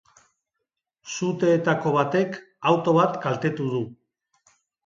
Suteetako batek auto bat kaltetu du.